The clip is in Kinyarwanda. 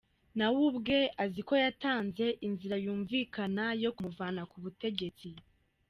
Nawe ubwe, azi ko yatanze inzira yumvikana yo kumuvana ku butegetsi.